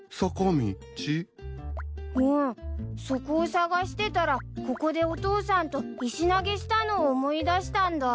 そこを探してたらここでお父さんと石投げしたのを思い出したんだ。